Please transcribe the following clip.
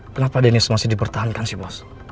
kenapa dennis masih dipertahankan sih mas